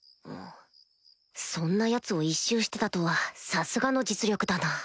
そんなヤツを一蹴してたとはさすがの実力だな